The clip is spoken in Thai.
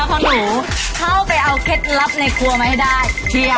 พอหนูเข้าไปเอาเคล็ดลับในครัวมาให้ได้